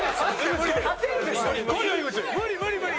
無理無理無理！